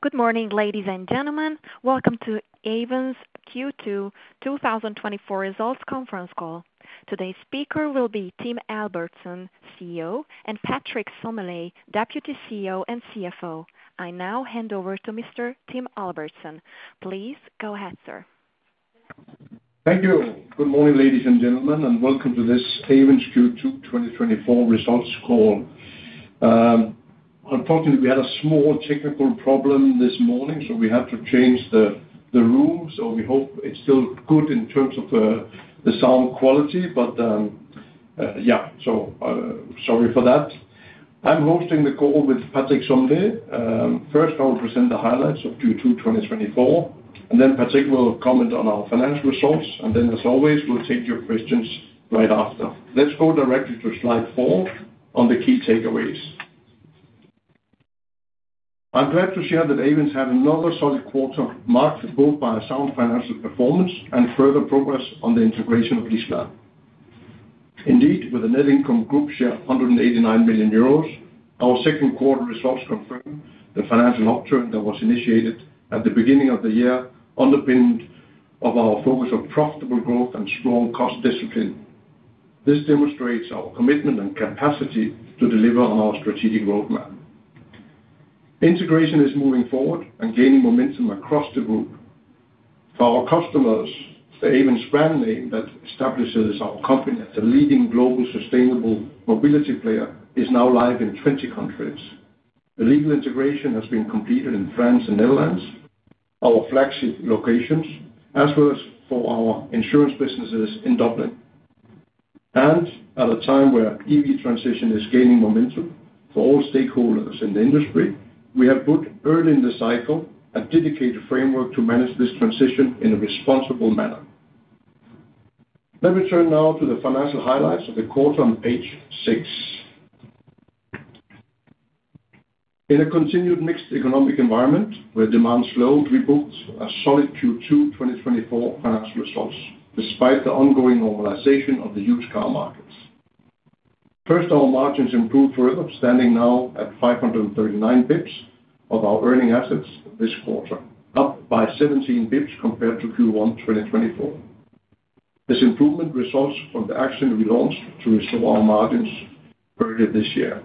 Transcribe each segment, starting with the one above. Good morning, ladies and gentlemen. Welcome to Ayvens Q2 2024 Results Conference Call. Today's speaker will be Tim Albertsen, CEO, and Patrick Sommelet, Deputy CEO and CFO. I now hand over to Mr. Tim Albertsen. Please go ahead, sir. Thank you. Good morning, ladies and gentlemen, and welcome to this Ayvens Q2 2024 Results Call. Unfortunately, we had a small technical problem this morning, so we had to change the room. So we hope it's still good in terms of the sound quality, but yeah, so sorry for that. I'm hosting the call with Patrick Sommelet. First, I will present the highlights of Q2 2024, and then Patrick will comment on our financial results, and then, as always, we'll take your questions right after. Let's go directly to slide four on the key takeaways. I'm glad to share that Ayvens had another solid quarter marked both by sound financial performance and further progress on the integration of LeasePlan. Indeed, with a net income group share of €189 million, our Q2 results confirm the financial upturn that was initiated at the beginning of the year, underpinned by our focus on profitable growth and strong cost discipline. This demonstrates our commitment and capacity to deliver on our strategic roadmap. Integration is moving forward and gaining momentum across the group. For our customers, the Ayvens brand name that establishes our company as a leading global sustainable mobility player is now live in 20 countries. The legal integration has been completed in France and Netherlands, our flagship locations, as well as for our insurance businesses in Dublin. At a time where EV transition is gaining momentum for all stakeholders in the industry, we have put early in the cycle a dedicated framework to manage this transition in a responsible manner. Let me turn now to the financial highlights of the quarter on page six. In a continued mixed economic environment where demand slowed, we booked a solid Q2 2024 financial results despite the ongoing normalization of the used car market. First, our margins improved further, standing now at 539 bps of our earning assets this quarter, up by 17 bps compared to Q1 2024. This improvement results from the action we launched to restore our margins earlier this year.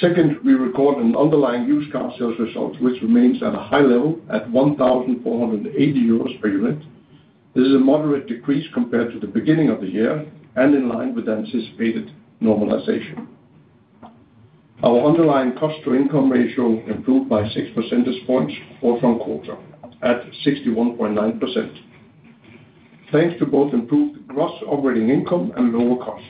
Second, we recorded an underlying used car sales result, which remains at a high level at €1,480 per unit. This is a moderate decrease compared to the beginning of the year and in line with the anticipated normalization. Our underlying cost-to-income ratio improved by six percentage points for the quarter at 61.9%, thanks to both improved gross operating income and lower costs.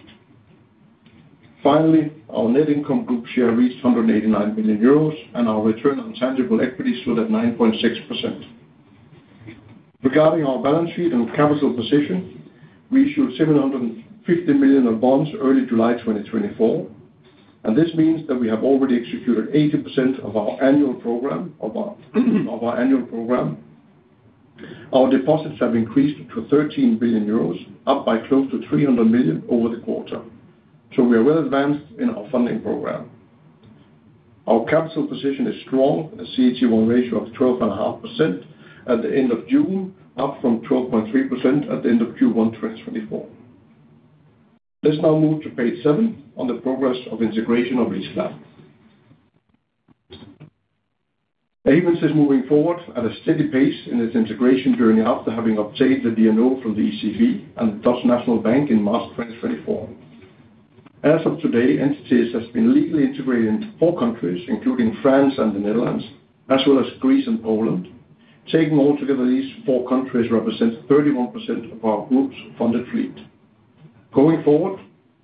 Finally, our net income group share reached 189 million euros, and our return on tangible equity stood at 9.6%. Regarding our balance sheet and capital position, we issued 750 million of bonds early July 2024, and this means that we have already executed 80% of our annual program. Our deposits have increased to 13 billion euros, up by close to 300 million over the quarter, so we are well advanced in our funding program. Our capital position is strong with a CET1 ratio of 12.5% at the end of June, up from 12.3% at the end of Q1 2024. Let's now move to page seven on the progress of integration of LeasePlan. Ayvens is moving forward at a steady pace in its integration journey after having obtained the DNO from the ECB and the Dutch National Bank in March 2024. As of today, entities has been legally integrated into four countries, including France and the Netherlands, as well as Greece and Poland. Taking all together, these four countries represent 31% of our group's funded fleet. Going forward,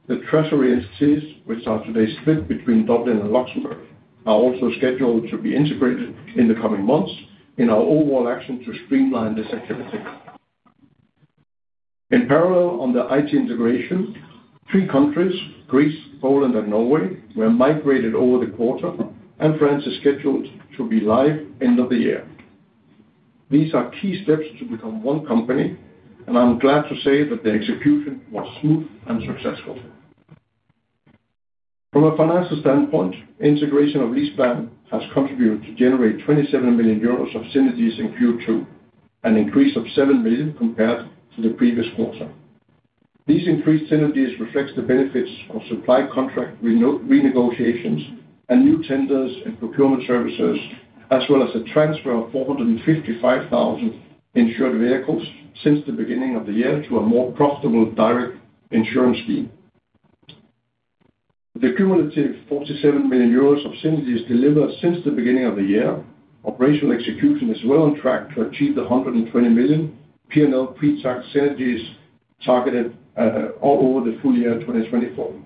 the treasury entities, which are today split between Dublin and Luxembourg, are also scheduled to be integrated in the coming months in our overall action to streamline this activity. In parallel, on the IT integration, three countries, Greece, Poland, and Norway, were migrated over the quarter, and France is scheduled to be live end of the year. These are key steps to become one company, and I'm glad to say that the execution was smooth and successful. From a financial standpoint, integration of LeasePlan has contributed to generate 27 million euros of synergies in Q2, an increase of 7 million compared to the previous quarter. These increased synergies reflect the benefits of supply contract renegotiations and new tenders and procurement services, as well as a transfer of 455,000 insured vehicles since the beginning of the year to a more profitable direct insurance scheme. The cumulative 47 million euros of synergies delivered since the beginning of the year. Operational execution is well on track to achieve the 120 million P&L pre-tax synergies targeted all over the full year 2024.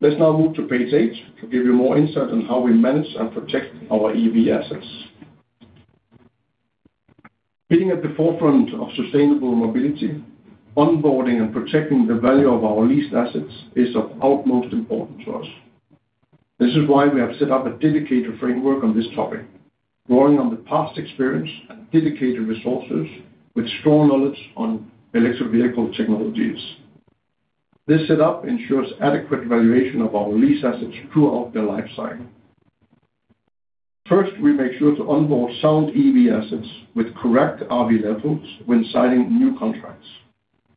Let's now move to page eight to give you more insight on how we manage and protect our EV assets. Being at the forefront of sustainable mobility, onboarding and protecting the value of our leased assets is of utmost importance to us. This is why we have set up a dedicated framework on this topic, drawing on the past experience and dedicated resources with strong knowledge on electric vehicle technologies. This setup ensures adequate evaluation of our leased assets throughout their lifecycle. First, we make sure to onboard sound EV assets with correct RV levels when signing new contracts.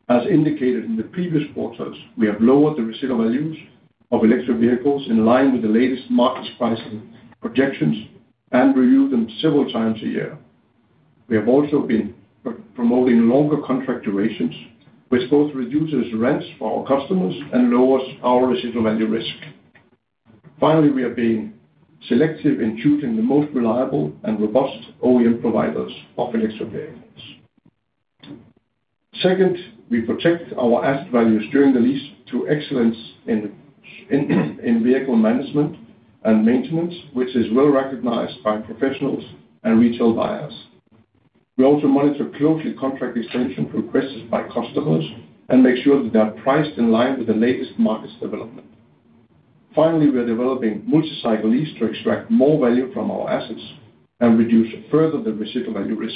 As indicated in the previous quarters, we have lowered the resale values of electric vehicles in line with the latest market pricing projections and reviewed them several times a year. We have also been promoting longer contract durations, which both reduces rents for our customers and lowers our resale value risk. Finally, we are being selective in choosing the most reliable and robust OEM providers of electric vehicles. Second, we protect our asset values during the lease through excellence in vehicle management and maintenance, which is well recognized by professionals and retail buyers. We also monitor closely contract extension requests by customers and make sure that they are priced in line with the latest market development. Finally, we are developing multi-cycle lease to extract more value from our assets and reduce further the resale value risk.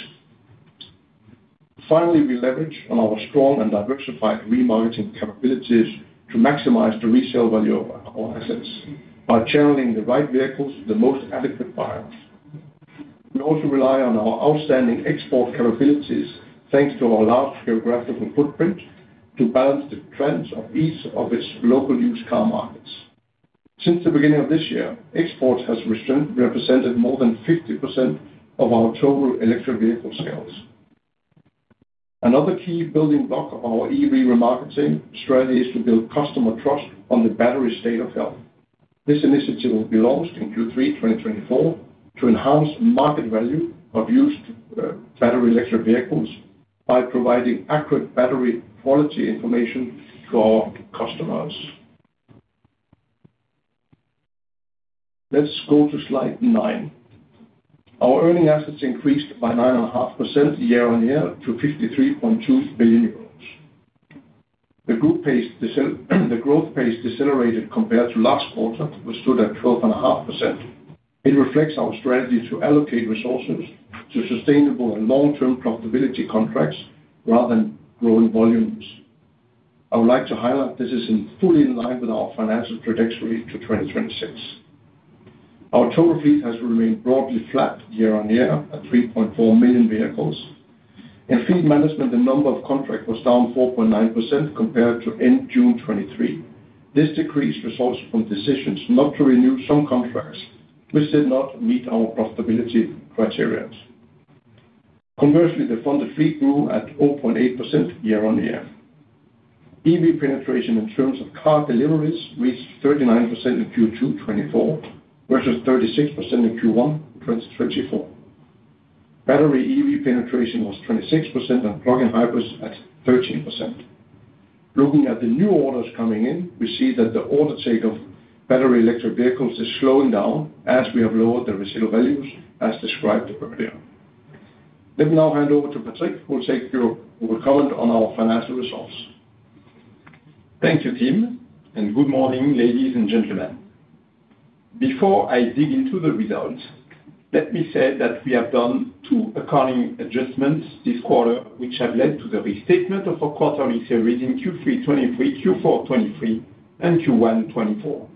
Finally, we leverage on our strong and diversified remarketing capabilities to maximize the resale value of our assets by channeling the right vehicles to the most adequate buyers. We also rely on our outstanding export capabilities, thanks to our large geographical footprint, to balance the trends of each of its local used car markets. Since the beginning of this year, exports have represented more than 50% of our total electric vehicle sales. Another key building block of our EV remarketing strategy is to build customer trust on the battery state of health. This initiative will be launched in Q3 2024 to enhance the market value of used battery electric vehicles by providing accurate battery quality information to our customers. Let's go to slide nine. Our earning assets increased by 9.5% year-on-year to 53.2 billion euros. The growth pace decelerated compared to last quarter, which stood at 12.5%. It reflects our strategy to allocate resources to sustainable and long-term profitability contracts rather than growing volumes. I would like to highlight this is fully in line with our financial trajectory to 2026. Our total fleet has remained broadly flat year-on-year at 3.4 million vehicles. In fleet management, the number of contracts was down 4.9% compared to end June 2023. This decrease results from decisions not to renew some contracts, which did not meet our profitability criteria. Conversely, the funded fleet grew at 0.8% year-on-year. EV penetration in terms of car deliveries reached 39% in Q2 2024 versus 36% in Q1 2024. Battery EV penetration was 26% and plug-in hybrids at 13%. Looking at the new orders coming in, we see that the order take of battery electric vehicles is slowing down as we have lowered the resale values, as described earlier. Let me now hand over to Patrick, who will take your comment on our financial results. Thank you, Tim, and good morning, ladies and gentlemen. Before I dig into the results, let me say that we have done two accounting adjustments this quarter, which have led to the restatement of our quarterly series in Q3 2023, Q4 2023, and Q1 2024.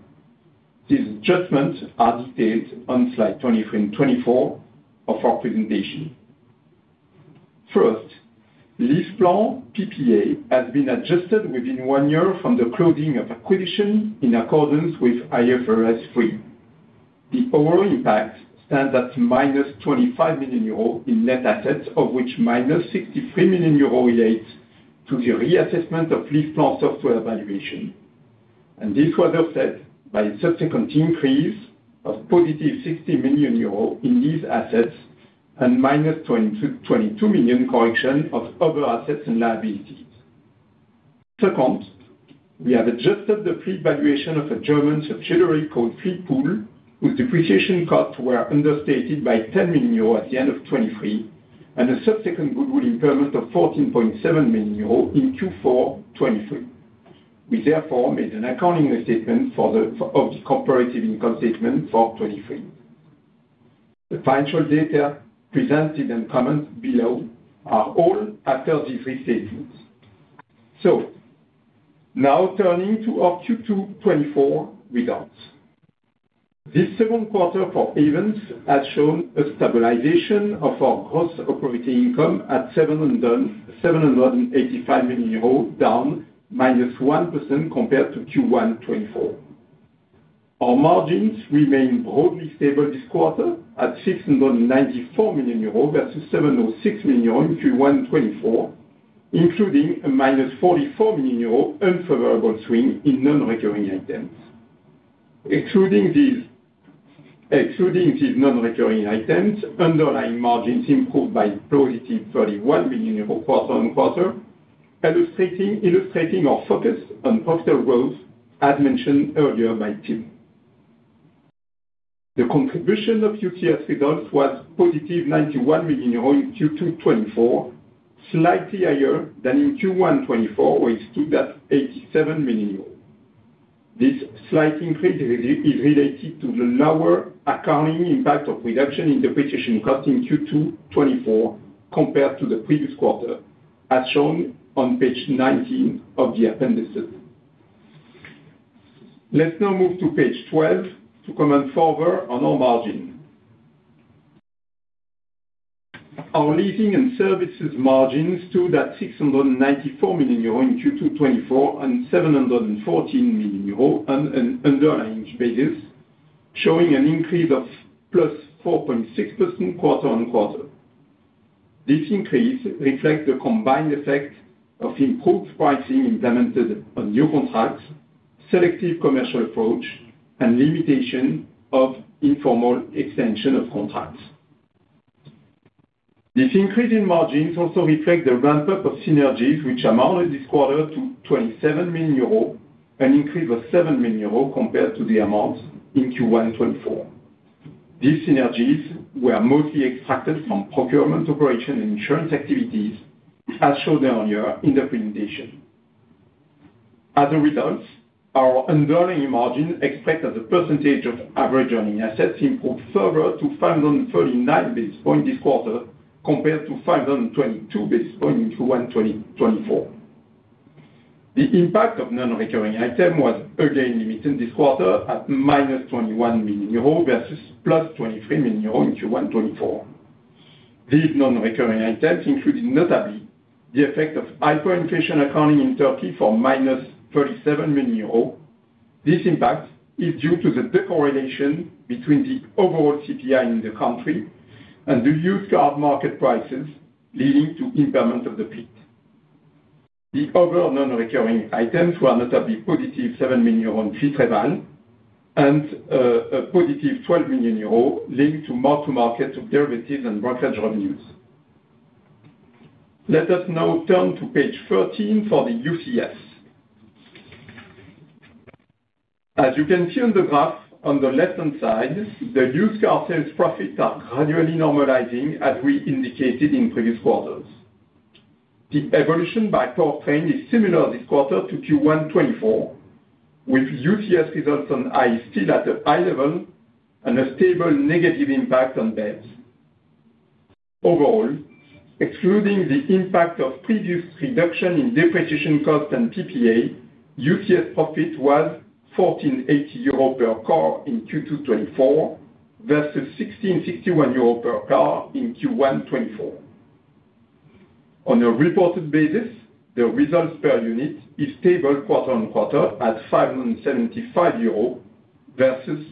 These adjustments are detailed on slide 23 and 24 of our presentation. First, LeasePlan PPA has been adjusted within one year from the closing of acquisition in accordance with IFRS 3. The overall impact stands at 25 million euros in net assets, of which 63 million euros relates to the reassessment of LeasePlan software valuation. This was offset by a subsequent increase of 60 in these assets and 22 million correction of other assets and liabilities. Second, we have adjusted the fleet valuation of a German subsidiary called Fleetpool, whose depreciation cuts were understated by 10 million euros at the end of 2023, and a subsequent goodwill impairment of 14.7 million euros in Q4 2023. We therefore made an accounting restatement of the comparative income statement for 2023. The financial data presented and commented below are all after these restatements. So now turning to our Q2 2024 results. This Q2 for Ayvens has shown a stabilization of our gross operating income at 785 million euros, down -1% compared to Q1 2024. Our margins remain broadly stable this quarter at 694 million euros versus 706 million euros in Q1 2024, including a -44 million euros unfavorable swing in non-recurring items. Excluding these non-recurring items, underlying margins improved by a +31 million euros quarter on quarter, illustrating our focus on profitable growth, as mentioned earlier by Tim. The contribution of UCS results was positive 91 million euros in Q2 2024, slightly higher than in Q1 2024, where it stood at 87 million euros. This slight increase is related to the lower accounting impact of reduction in depreciation cost in Q2 2024 compared to the previous quarter, as shown on page 19 of the appendices. Let's now move to page 12 to comment further on our margin. Our leasing and services margins stood at 694 million euro in Q2 2024 and 714 million euro on an underlying basis, showing an increase of +4.6% quarter-on-quarter. This increase reflects the combined effect of improved pricing implemented on new contracts, selective commercial approach, and limitation of informal extension of contracts. This increase in margins also reflects the ramp-up of synergies, which amounted this quarter to 27 million euros and increased by 7 million euros compared to the amount in Q1 2024. These synergies were mostly extracted from procurement operation and insurance activities, as shown earlier in the presentation. As a result, our underlying margin expressed as the percentage of average earning assets improved further to 539 basis points this quarter compared to 522 basis points in Q1 2024. The impact of non-recurring items was again limited this quarter at minus 21 million euros versus plus 23 million euros in Q1 2024. These non-recurring items included notably the effect of hyperinflation accounting in Turkey for minus 37 million euros. This impact is due to the decorrelation between the overall CPI in the country and the used car market prices, leading to impairment of the fleet. The other non-recurring items were notably positive 7 million euro in fleet residual and a positive 12 million euro linked to mark-to-market derivatives and brokerage revenues. Let us now turn to page 13 for the UCS. As you can see on the graph on the left-hand side, the used car sales profits are gradually normalizing, as we indicated in previous quarters. The evolution by powertrain is similar this quarter to Q1 2024, with UCS results on I still at a high level and a stable negative impact on BEVs. Overall, excluding the impact of previous reduction in depreciation cost and PPA, UCS profit was €1,480 per car in Q2 2024 versus €1,661 per car in Q1 2024. On a reported basis, the results per unit is stable quarter-over-quarter at €575 versus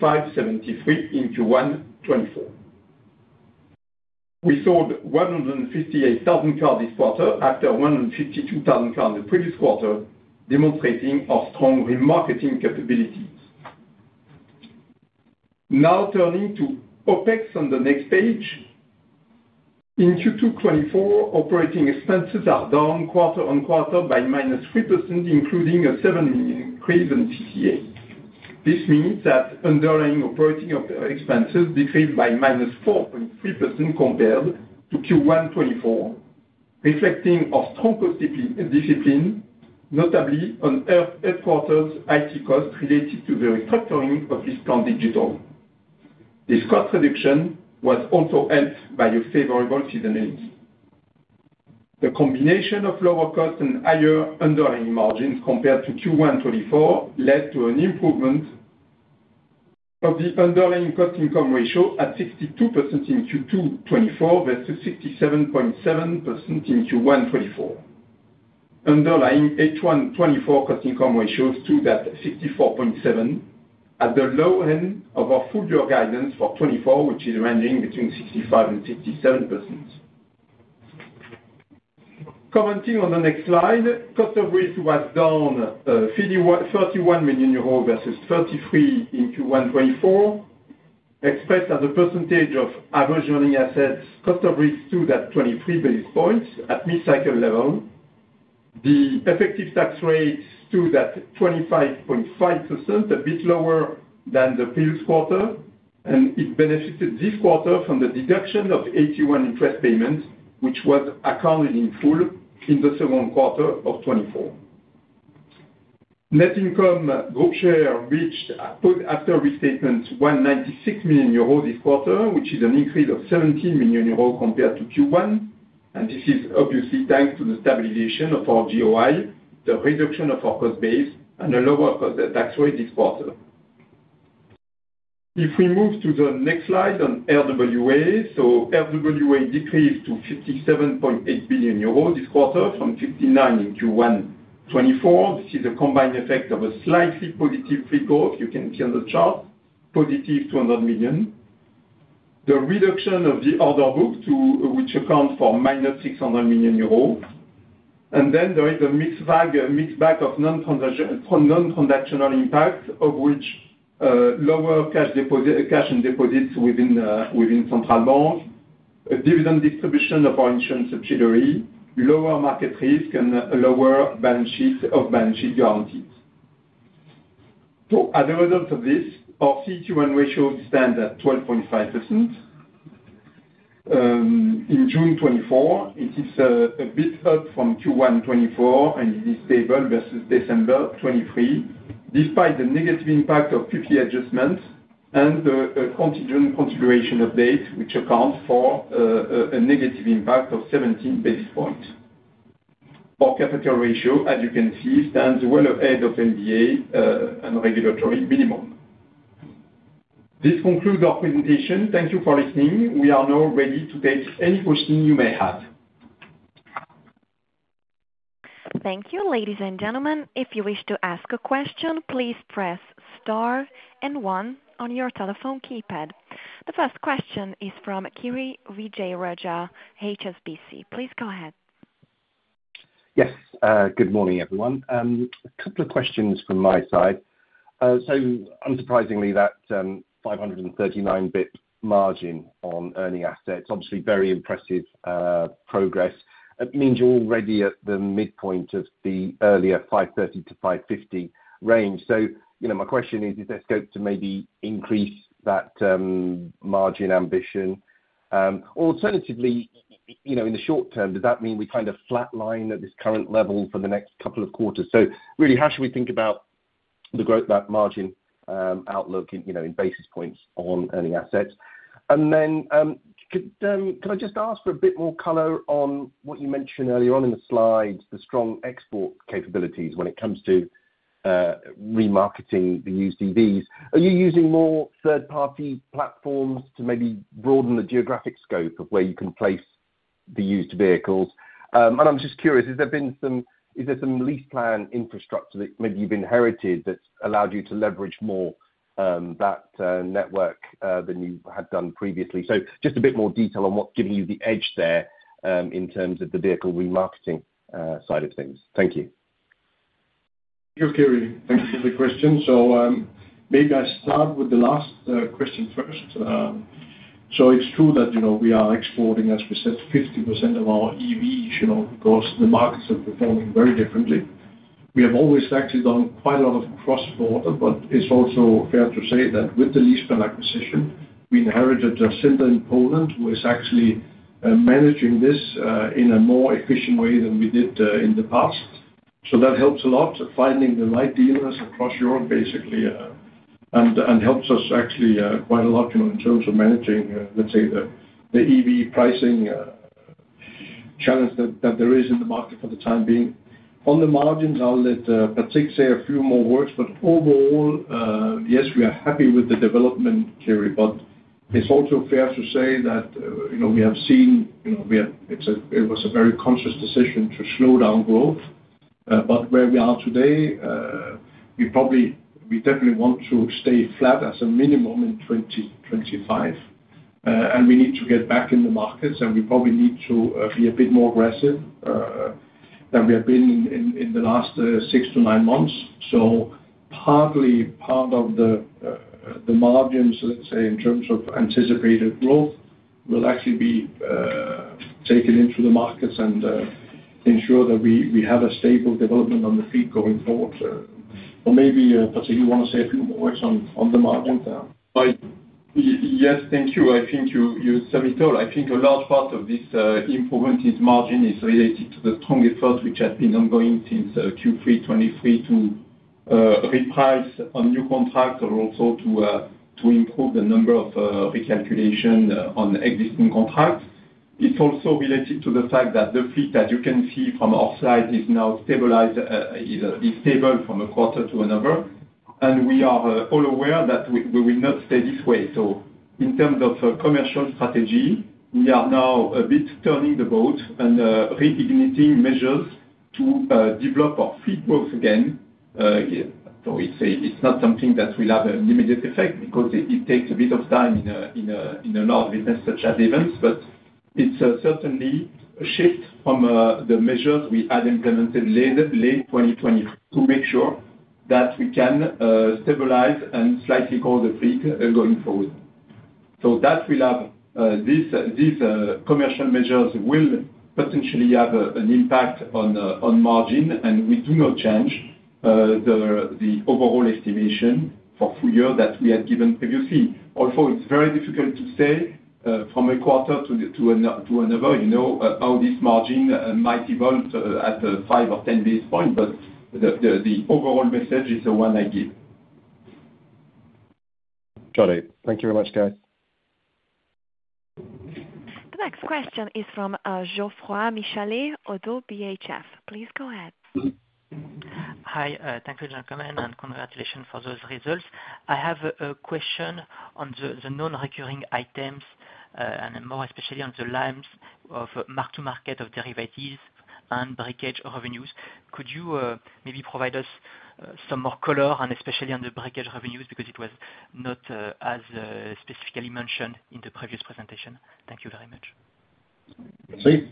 573 in Q1 2024. We sold 158,000 cars this quarter after 152,000 cars in the previous quarter, demonstrating our strong remarketing capabilities. Now turning to OpEx on the next page. In Q2 2024, operating expenses are down quarter-over-quarter by -3%, including a 7 million increase in CTA. This means that underlying operating expenses decreased by minus 4.3% compared to Q1 2024, reflecting our strong discipline, notably on our headquarters' IT costs related to the restructuring of LeasePlan Digital. This cost reduction was also helped by a favorable seasonality. The combination of lower costs and higher underlying margins compared to Q1 2024 led to an improvement of the underlying cost-income ratio at 62% in Q2 2024 versus 67.7% in Q1 2024. Underlying H1 2024 cost-income ratio stood at 64.7%, at the low end of our full-year guidance for 2024, which is ranging between 65% and 67%. Commenting on the next slide, cost of risk was down 31 versus 33 million in Q1 2024, expressed as a percentage of average earning assets. Cost of risk stood at 23 basis points at mid-cycle level. The effective tax rate stood at 25.5%, a bit lower than the previous quarter, and it benefited this quarter from the deduction of 81 interest payments, which was accounted in full in the Q2 of 2024. Net income group share reached after restatement 196 million euros this quarter, which is an increase of 17 million euros compared to Q1. This is obviously thanks to the stabilization of our GOI, the reduction of our cost base, and a lower tax rate this quarter. If we move to the next slide on RWA, so RWA decreased to 57.8 billion euros this quarter from 59 billion in Q1 2024. This is a combined effect of a slightly positive fleet growth, you can see on the chart, +200 million. The reduction of the order book to which accounts for -600 million euros. Then there is a mixed bag of non-transactional impacts, of which lower cash and deposits within central banks, a dividend distribution of our insurance subsidiary, lower market risk, and a lower balance sheet of balance sheet guarantees. As a result of this, our CET1 ratio stands at 12.5%. In June 2024, it is a bit up from Q1 2024, and it is stable versus December 2023, despite the negative impact of PPA adjustments and the contingent configuration update, which accounts for a negative impact of 17 basis points. Our capital ratio, as you can see, stands well ahead of MDA and regulatory minimum. This concludes our presentation. Thank you for listening. We are now ready to take any questions you may have. Thank you, ladies and gentlemen. If you wish to ask a question, please press star and one on your telephone keypad. The first question is from Kiri Vijayarajah, HSBC. Please go ahead. Yes, good morning, everyone. A couple of questions from my side. So unsurprisingly, that 539 basis point margin on earning assets, obviously very impressive progress, means you're already at the midpoint of the earlier 530-550 range. So my question is, is there scope to maybe increase that margin ambition? Alternatively, in the short term, does that mean we kind of flatline at this current level for the next couple of quarters? So really, how should we think about the growth, that margin outlook in basis points on earning assets? And then could I just ask for a bit more color on what you mentioned earlier on in the slides, the strong export capabilities when it comes to remarketing the used EVs? Are you using more third-party platforms to maybe broaden the geographic scope of where you can place the used vehicles? I'm just curious, is there some LeasePlan infrastructure that maybe you've inherited that's allowed you to leverage more that network than you had done previously? Just a bit more detail on what's giving you the edge there in terms of the vehicle remarketing side of things. Thank you. Thank you, Kiri. Thank you for the question. So maybe I start with the last question first. So it's true that we are exporting, as we said, 50% of our EVs because the markets are performing very differently. We have always actually done quite a lot of cross-border, but it's also fair to say that with the LeasePlan acquisition, we inherited a center in Poland who is actually managing this in a more efficient way than we did in the past. So that helps a lot, finding the right dealers across Europe, basically, and helps us actually quite a lot in terms of managing, let's say, the EV pricing challenge that there is in the market for the time being. On the margins, I'll let Patrick say a few more words. But overall, yes, we are happy with the development, Kiri, but it's also fair to say that we have seen it was a very conscious decision to slow down growth. But where we are today, we definitely want to stay flat as a minimum in 2025. And we need to get back in the markets, and we probably need to be a bit more aggressive than we have been in the last six to nine months. So partly part of the margins, let's say, in terms of anticipated growth, will actually be taken into the markets and ensure that we have a stable development on the fleet going forward. Or maybe Patrick, you want to say a few more words on the margins? Yes, thank you. I think you said it all. I think a large part of this improvement in margin is related to the strong effort which has been ongoing since Q3 2023 to reprice on new contracts or also to improve the number of recalculations on existing contracts. It's also related to the fact that the fleet that you can see from our slides is now stable from a quarter to another. And we are all aware that we will not stay this way. So in terms of commercial strategy, we are now a bit turning the boat and reigniting measures to develop our fleet growth again. So it's not something that will have an immediate effect because it takes a bit of time in a large business such as Ayvens, but it's certainly a shift from the measures we had implemented late 2020 to make sure that we can stabilize and slightly grow the fleet going forward. So that we'll have these commercial measures will potentially have an impact on margin, and we do not change the overall estimation for full year that we had given previously. Although it's very difficult to say from a quarter to another how this margin might evolve at 5 or 10 basis points, but the overall message is the one I give. Got it. Thank you very much, guys. The next question is from Geoffroy Michalet of ODDO BHF. Please go ahead. Hi, thank you, Gentlemen, and congratulations for those results. I have a question on the non-recurring items and more especially on the lines of mark-to-market of derivatives and breakage revenues. Could you maybe provide us some more color, and especially on the breakage revenues, because it was not as specifically mentioned in the previous presentation? Thank you very much.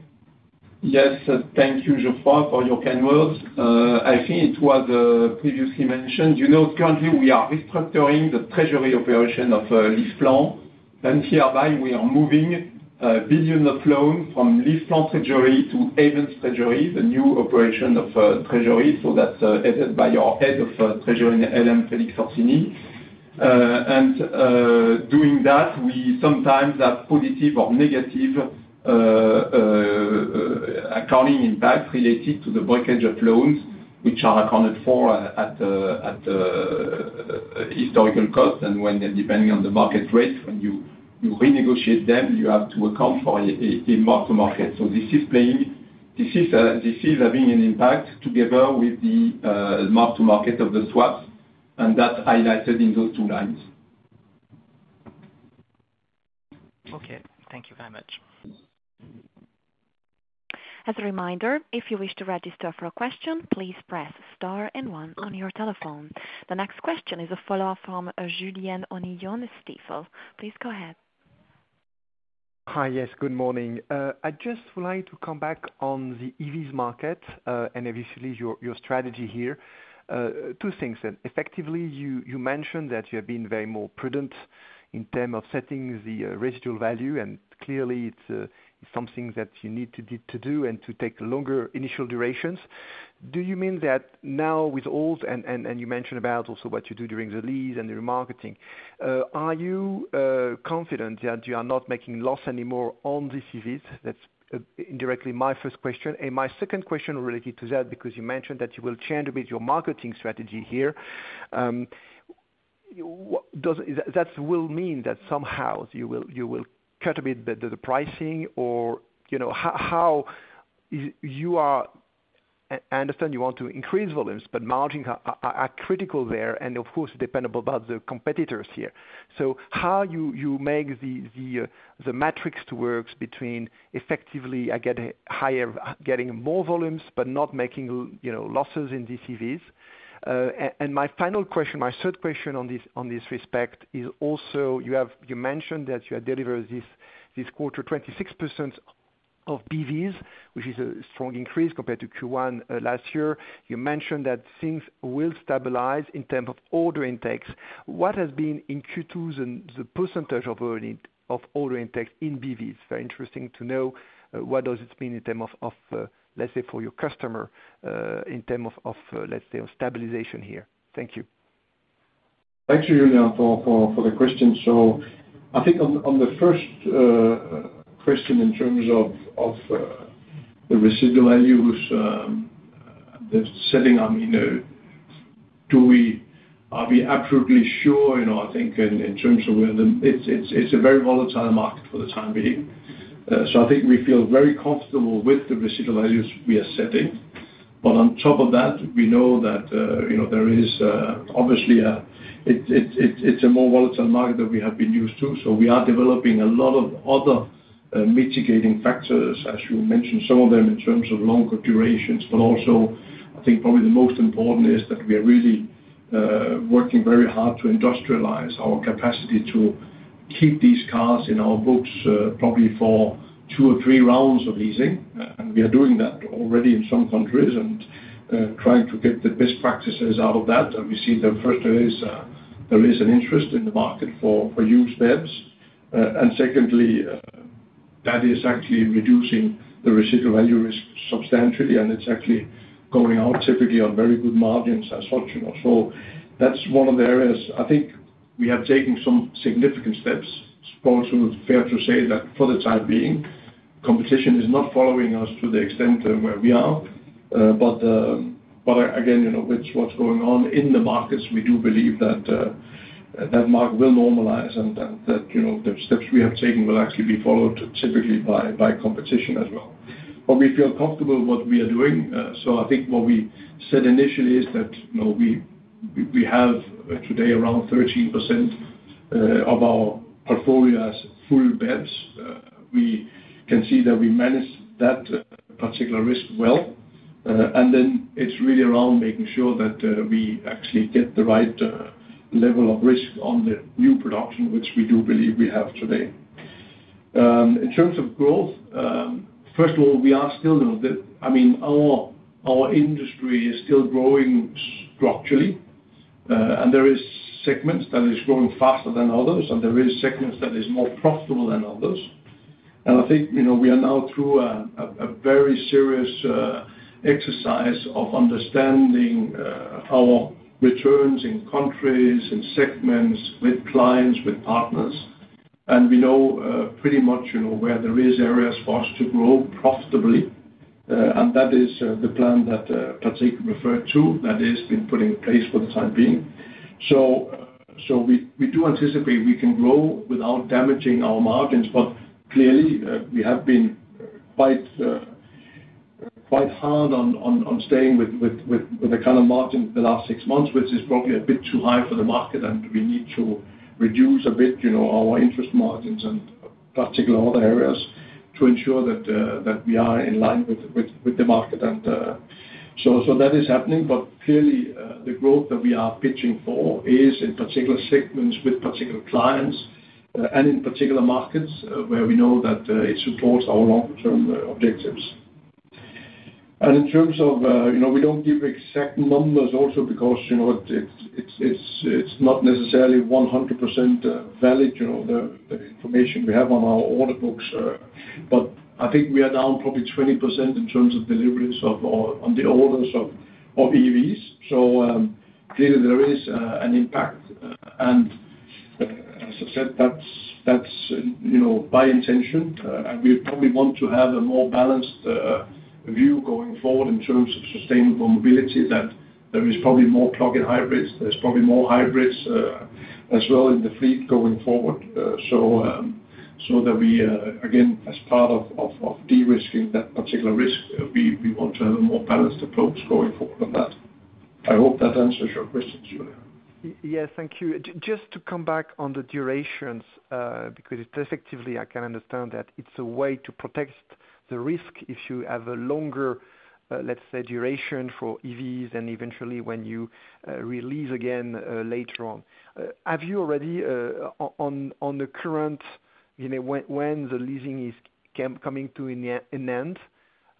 Yes, thank you, Geoffroy, for your kind words. I think it was previously mentioned. Currently, we are restructuring the treasury operation of LeasePlan, and hereby we are moving billions of loans from LeasePlan Treasury to Ayvens Treasury, the new operation of treasury, so that's headed by our head of treasury, Felix Orsini. And doing that, we sometimes have positive or negative accounting impacts related to the breakage of loans, which are accounted for at historical costs. And when depending on the market rate, when you renegotiate them, you have to account for a mark-to-market. So this is having an impact together with the mark-to-market of the swaps, and that's highlighted in those two lines. Okay, thank you very much. As a reminder, if you wish to register for a question, please press star and one on your telephone. The next question is a follow-up from Julien Onillon, Stifel. Please go ahead. Hi, yes, good morning. I'd just like to come back on the EVs market and eventually your strategy here. Two things. Effectively, you mentioned that you have been much more prudent in terms of setting the residual value, and clearly, it's something that you need to do and to take longer initial durations. Do you mean that now with ALD, and you mentioned about also what you do during the lease and the remarketing? Are you confident that you are not making loss anymore on these EVs? That's indirectly my first question. And my second question related to that, because you mentioned that you will change a bit your marketing strategy here, that will mean that somehow you will cut a bit the pricing? Or how? You are—I understand you want to increase volumes, but margins are critical there, and of course, dependent about the competitors here. So how you make the matrix to work between effectively getting more volumes but not making losses in these EVs? And my final question, my third question on this respect is also, you mentioned that you have delivered this quarter 26% of BEVs, which is a strong increase compared to Q1 last year. You mentioned that things will stabilize in terms of order intakes. What has been in Q2 the percentage of order intakes in BVs? Very interesting to know. What does it mean in terms of, let's say, for your customer in terms of, let's say, stabilization here? Thank you. Thank you, Julien, for the question. So I think on the first question in terms of the residual values, the setting, I mean, are we absolutely sure? I think in terms of it's a very volatile market for the time being. So I think we feel very comfortable with the residual values we are setting. But on top of that, we know that there is obviously a it's a more volatile market than we have been used to. So we are developing a lot of other mitigating factors, as you mentioned, some of them in terms of longer durations. But also, I think probably the most important is that we are really working very hard to industrialize our capacity to keep these cars in our books probably for two or three rounds of leasing. We are doing that already in some countries and trying to get the best practices out of that. We see that first, there is an interest in the market for used EVs. And secondly, that is actually reducing the residual value risk substantially, and it's actually going out typically on very good margins as such. So that's one of the areas. I think we have taken some significant steps. It's also fair to say that for the time being, competition is not following us to the extent where we are. But again, with what's going on in the markets, we do believe that that market will normalize and that the steps we have taken will actually be followed typically by competition as well. But we feel comfortable with what we are doing. So I think what we said initially is that we have today around 13% of our portfolios full EVs. We can see that we manage that particular risk well. And then it's really around making sure that we actually get the right level of risk on the new production, which we do believe we have today. In terms of growth, first of all, we are still a little bit I mean, our industry is still growing structurally, and there are segments that are growing faster than others, and there are segments that are more profitable than others. And I think we are now through a very serious exercise of understanding our returns in countries and segments with clients, with partners. And we know pretty much where there are areas for us to grow profitably. That is the plan that Patrick referred to that he has been putting in place for the time being. We do anticipate we can grow without damaging our margins, but clearly, we have been quite hard on staying with the kind of margin the last six months, which is probably a bit too high for the market, and we need to reduce a bit our interest margins and particular other areas to ensure that we are in line with the market. That is happening. But clearly, the growth that we are pitching for is in particular segments with particular clients and in particular markets where we know that it supports our long-term objectives. In terms of we don't give exact numbers also because it's not necessarily 100% valid, the information we have on our order books. But I think we are down probably 20% in terms of deliveries on the orders of EVs. So clearly, there is an impact. And as I said, that's by intention. And we probably want to have a more balanced view going forward in terms of sustainable mobility, that there is probably more plug-in hybrids. There's probably more hybrids as well in the fleet going forward. So that we, again, as part of de-risking that particular risk, we want to have a more balanced approach going forward on that. I hope that answers your question, Julien. Yes, thank you. Just to come back on the durations, because it's effectively I can understand that it's a way to protect the risk if you have a longer, let's say, duration for EVs and eventually when you release again later on. Have you already on the current when the leasing is coming to an end,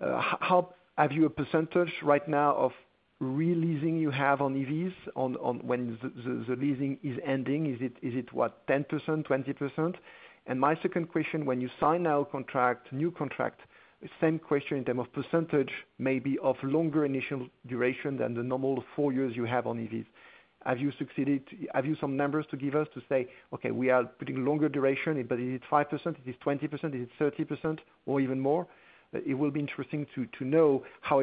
have you a percentage right now of re-leasing you have on EVs when the leasing is ending? Is it, what, 10%, 20%? And my second question, when you sign our new contract, same question in terms of percentage, maybe of longer initial duration than the normal four years you have on EVs. Have you succeeded? Have you some numbers to give us to say, "Okay, we are putting longer duration, but is it 5%? Is it 20%? Is it 30%? Or even more?" It will be interesting to know how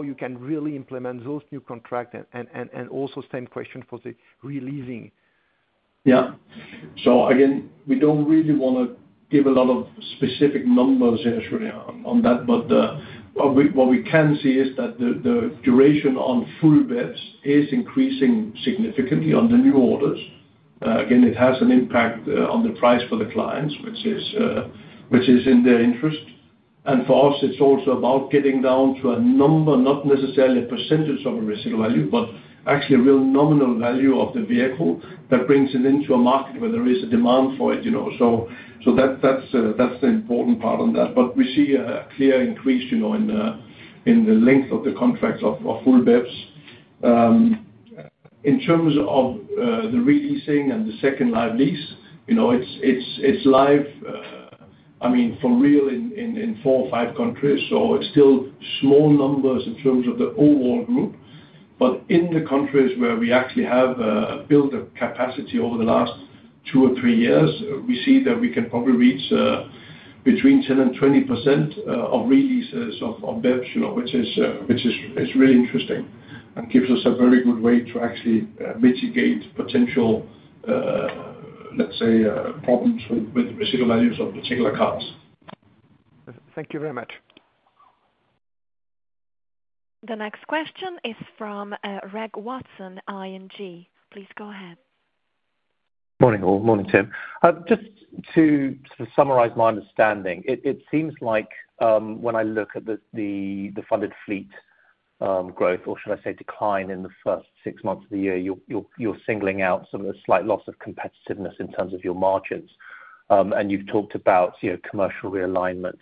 you can really implement those new contracts and also same question for the re-leasing. Yeah. So again, we don't really want to give a lot of specific numbers on that, but what we can see is that the duration on full EVs is increasing significantly on the new orders. Again, it has an impact on the price for the clients, which is in their interest. And for us, it's also about getting down to a number, not necessarily a percentage of a residual value, but actually a real nominal value of the vehicle that brings it into a market where there is a demand for it. So that's the important part on that. But we see a clear increase in the length of the contracts of full EVs. In terms of the re-leasing and the second-life lease, it's live, I mean, for real in four or five countries. So it's still small numbers in terms of the overall group. But in the countries where we actually have built a capacity over the last two or three years, we see that we can probably reach between 10% and 20% of re-leases of VEBs, which is really interesting and gives us a very good way to actually mitigate potential, let's say, problems with residual values of particular cars. Thank you very much. The next question is from Reg Watson, ING. Please go ahead. Morning all. Morning, Tim. Just to summarize my understanding, it seems like when I look at the funded fleet growth, or should I say decline in the first six months of the year, you're singling out sort of a slight loss of competitiveness in terms of your margins. And you've talked about commercial realignment.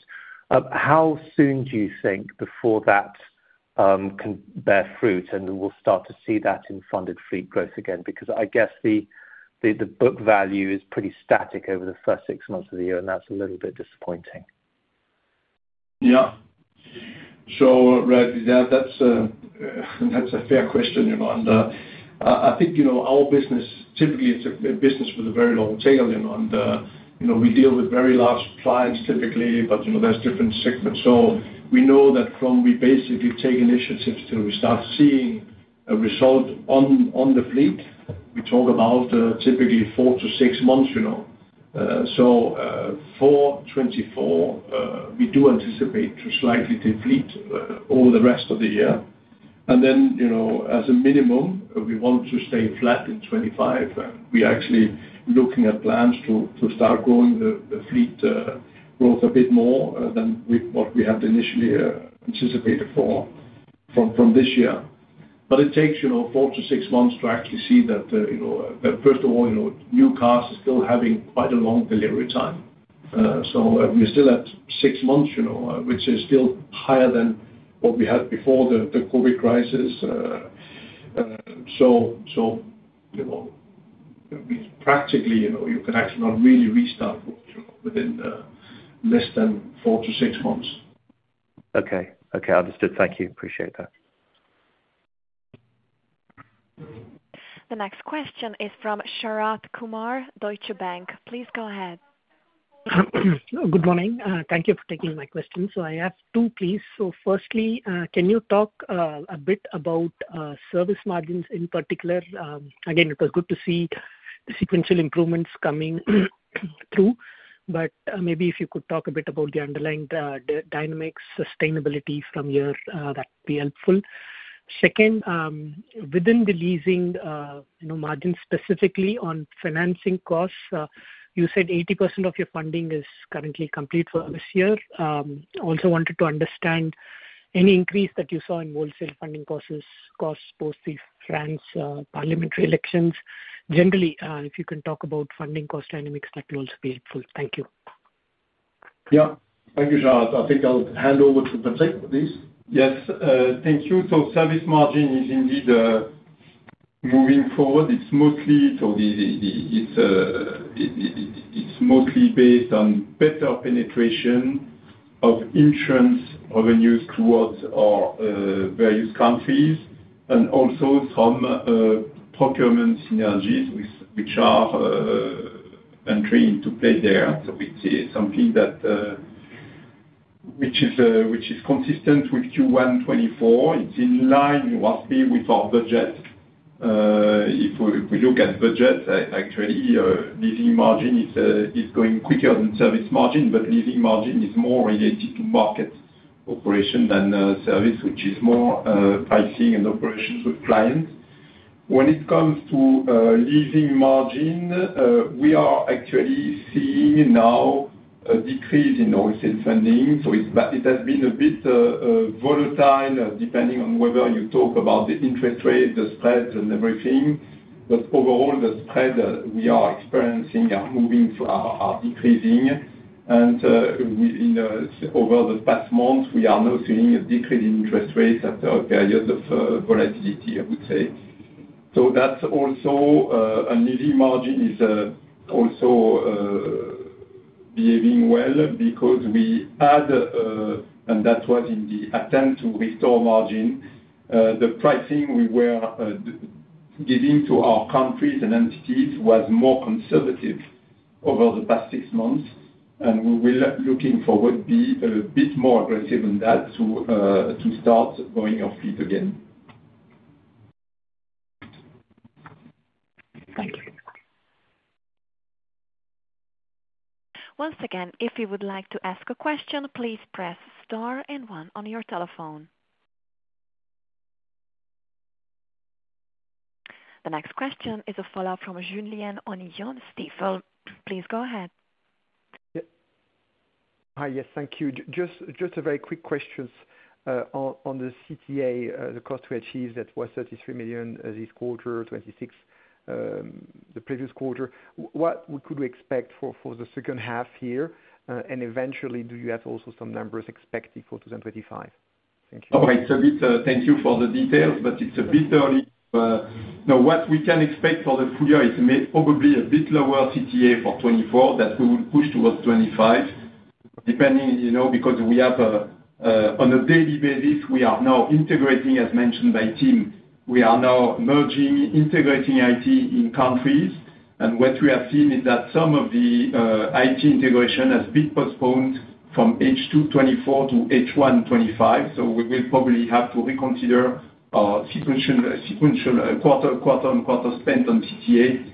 How soon do you think before that can bear fruit and we'll start to see that in funded fleet growth again? Because I guess the book value is pretty static over the first six months of the year, and that's a little bit disappointing. Yeah. So, Reg, that's a fair question. And I think our business, typically, it's a business with a very long tail. And we deal with very large clients typically, but there's different segments. So we know that from we basically take initiatives till we start seeing a result on the fleet. We talk about typically four to six months. So for 2024, we do anticipate to slightly deplete over the rest of the year. And then as a minimum, we want to stay flat in 2025. We're actually looking at plans to start growing the fleet growth a bit more than what we had initially anticipated for from this year. But it takes four to six months to actually see that, first of all, new cars are still having quite a long delivery time. So we're still at six months, which is still higher than what we had before the COVID crisis. So practically, you can actually not really restart within less than four to six months. Okay. Okay. Understood. Thank you. Appreciate that. The next question is from Sharath Kumar, Deutsche Bank. Please go ahead. Good morning. Thank you for taking my question. So I have two, please. So firstly, can you talk a bit about service margins in particular? Again, it was good to see the sequential improvements coming through, but maybe if you could talk a bit about the underlying dynamics, sustainability from here, that would be helpful. Second, within the leasing margin, specifically on financing costs, you said 80% of your funding is currently complete for this year. Also wanted to understand any increase that you saw in wholesale funding costs post the France parliamentary elections. Generally, if you can talk about funding cost dynamics, that will also be helpful. Thank you. Yeah. Thank you, Sharath. I think I'll hand over to Patrick, please. Yes. Thank you. So service margin is indeed moving forward. It's mostly based on better penetration of insurance revenues towards our various countries and also some procurement synergies which are entering into play there. So it's something which is consistent with Q1 2024. It's in line roughly with our budget. If we look at budgets, actually, leasing margin is going quicker than service margin, but leasing margin is more related to market operation than service, which is more pricing and operations with clients. When it comes to leasing margin, we are actually seeing now a decrease in wholesale funding. So it has been a bit volatile depending on whether you talk about the interest rate, the spread, and everything. But overall, the spread we are experiencing are moving. Are decreasing. And over the past month, we are now seeing a decrease in interest rates after a period of volatility, I would say. So that's also a leasing margin is also behaving well because we had, and that was in the attempt to restore margin, the pricing we were giving to our countries and entities was more conservative over the past six months. And we will, looking forward, be a bit more aggressive on that to start going off fleet again. Thank you. Once again, if you would like to ask a question, please press star and one on your telephone. The next question is a follow-up from Julien Onillon, Stifel. Please go ahead. Hi. Yes. Thank you. Just a very quick question on the CTA, the cost to achieve that was 33 million this quarter, 26 million the previous quarter. What could we expect for the second half here? And eventually, do you have also some numbers expected for 2025? Thank you. Okay. So thank you for the details, but it's a bit early. Now, what we can expect for the full year is probably a bit lower CTA for 2024 that we will push towards 2025, depending because we have on a daily basis, we are now integrating, as mentioned by Tim, we are now merging, integrating IT in countries. And what we have seen is that some of the IT integration has been postponed from H2 2024 to H1 2025. So we will probably have to reconsider our sequential quarter-on-quarter spend on CTA.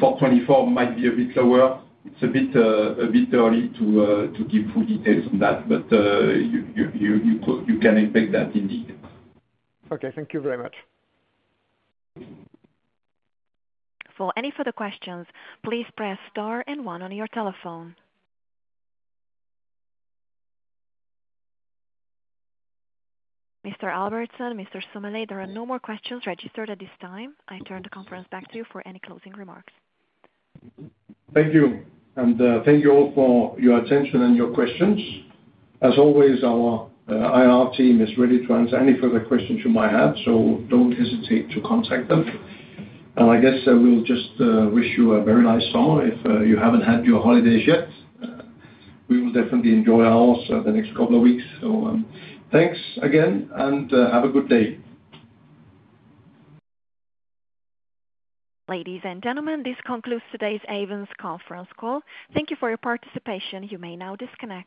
For 2024, it might be a bit lower. It's a bit early to give full details on that, but you can expect that indeed. Okay. Thank you very much. For any further questions, please press star and one on your telephone. Mr. Albertsen, Mr. Sommelet, there are no more questions registered at this time. I turn the conference back to you for any closing remarks. Thank you. Thank you all for your attention and your questions. As always, our IR team is ready to answer any further questions you might have, so don't hesitate to contact them. I guess we'll just wish you a very nice summer if you haven't had your holidays yet. We will definitely enjoy ours the next couple of weeks. Thanks again and have a good day. Ladies and gentlemen, this concludes today's Ayvens Conference Call. Thank you for your participation. You may now disconnect.